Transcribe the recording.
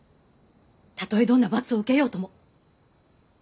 たとえどんな罰を受けようとも。